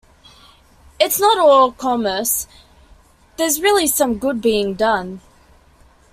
It's not all commerce- there's really some good being done.